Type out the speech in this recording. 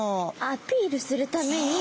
アピールするために。